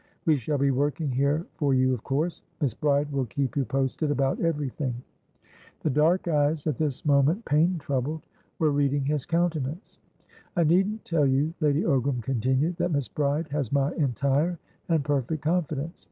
We shall be working here for you, of course. Miss Bride will keep you posted about everything." The dark eyes, at this moment pain troubled, were reading his countenance. "I needn't tell you," Lady Ogram continued, "that Miss Bride has my entire and perfect confidence.